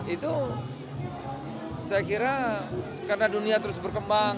itu saya kira karena dunia terus berkembang